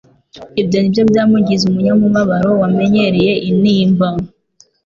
Ibyo ni byo byamugize umunyamibabaro wamenyereye intimba.